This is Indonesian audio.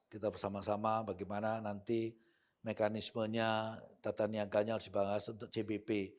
kita bersama sama bagaimana nanti mekanismenya tata niaganya harus dibahas untuk cbp